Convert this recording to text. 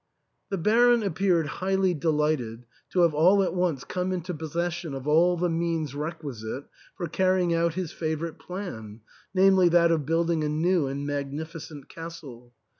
The Baron appeared highly delighted to have all at once come into possession of all the means requisite for carrying out his favourite plan, namely, that of building a new and magnificent castle.